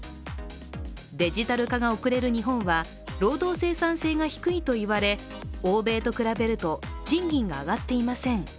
デジタル化が遅れる日本は労働生産性が低いといわれ欧米と比べると賃金が上がっていません。